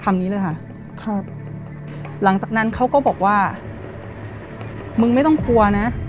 นี้เลยค่ะครับหลังจากนั้นเขาก็บอกว่ามึงไม่ต้องกลัวนะ